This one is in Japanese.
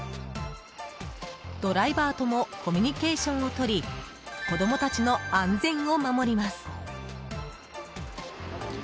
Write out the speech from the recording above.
ドライバーともコミュニケーションをとり子供たちの安全を守ります。